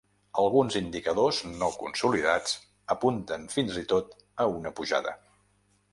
“Alguns indicadors no consolidats apunten, fins i tot, a una pujada”.